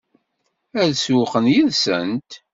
Ad sewweqen yid-sent?